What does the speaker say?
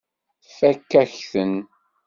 Tfakk-ak-ten.